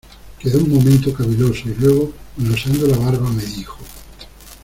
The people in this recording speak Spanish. quedó un momento caviloso, y luego , manoseando la barba , me dijo: